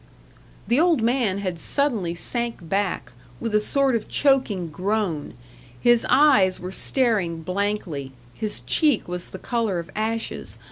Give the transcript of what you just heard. The old man had suddenly sank back, with a sort of choking groan. His eyes were staring blankly, his cheek was the colour of ashes.